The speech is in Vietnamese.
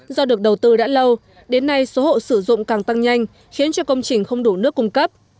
do được đầu tư đã lâu đến nay số hộ sử dụng càng tăng nhanh khiến cho công trình không đủ nước cung cấp